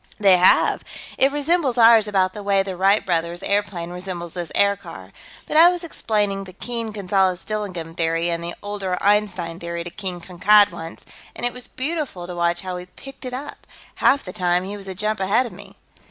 "They have. It resembles ours about the way the Wright Brothers' airplane resembles this aircar, but I was explaining the Keene Gonzales Dillingham Theory and the older Einstein Theory to King Kankad once, and it was beautiful to watch how he picked it up. Half the time, he was a jump ahead of me."